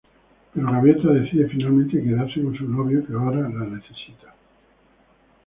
Pero Gaviota decide finalmente quedarse con su novio que ahora la necesita.